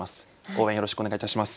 応援よろしくお願いいたします。